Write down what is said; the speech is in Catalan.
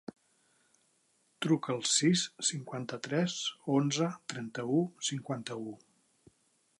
Truca al sis, cinquanta-tres, onze, trenta-u, cinquanta-u.